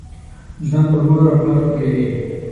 ژوند پر مور او پلار ښکلي وي .